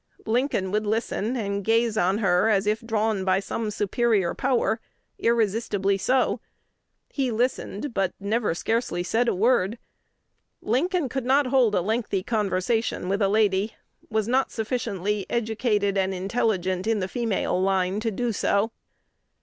Lincoln would listen, and gaze on her as if drawn by some superior power, irresistibly so: he listened, but never scarcely said a word.... Lincoln could not hold a lengthy conversation with a lady, was not sufficiently educated and intelligent in the female line to do so."